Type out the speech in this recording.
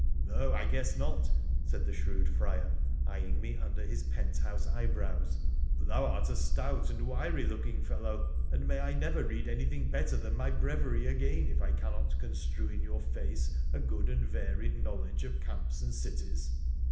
' No, I guess not,' said the shrewd Friar, eyeing me under his pent house eyebrows, ' for thou art a stout and wiry look ing fellow, and may I never read anything better than my breviary again if I cannot construe in your face a good and varied knowledge of camps and cities.